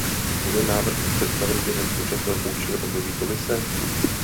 Bude návrh představen během současného funkčního období Komise?